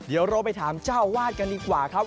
เดี๋ยวเราไปถามเจ้าวาดกันดีกว่าครับ